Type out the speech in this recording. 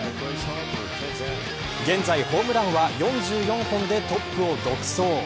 現在、ホームランは４４本でトップを独走。